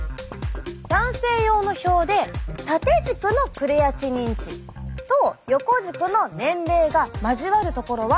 男性用の表で縦軸のクレアチニン値と横軸の年齢が交わるところはここ！